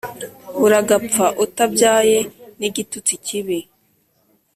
uragapfa utabyaye ni gitutsi kibi